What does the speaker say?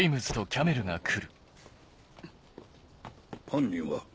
犯人は？